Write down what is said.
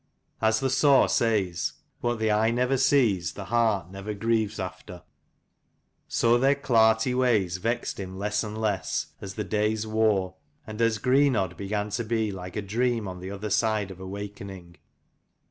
As the saw says "What the eye never sees, the heart never grieves after," so their clarty ways vexed him less and less, as the days wore, and as Greenodd began to be like a dream on the other side of awakening.